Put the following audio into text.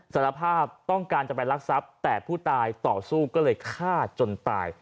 สารภาพต้องการจะไปรักทรัพย์แต่ผู้ตายต่อสู้ก็เลยฆ่าจนตาย